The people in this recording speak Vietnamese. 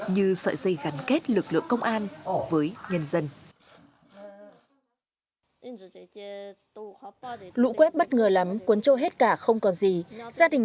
như sợi dây gắn kết lực lượng công an